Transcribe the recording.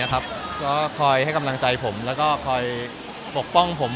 ก็คอยให้กำลังใจผมแล้วก็คอยปกป้องผม